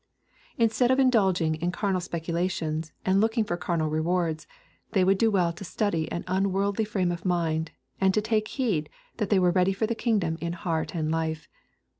Instead of indulging in' carnal spec ulations, and looking for. carnal rewards, they would do well to study an unworldly frame of mind, and to take heed that they were ready for the kingdom in heart and life.